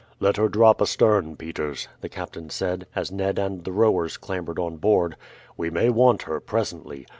"Let her drop astern, Peters," the captain said, as Ned and the rowers clambered on board; "we may want her presently.